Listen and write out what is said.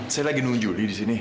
saya lagi nunggu julie disini